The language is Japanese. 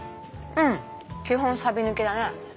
うん基本サビ抜きだね。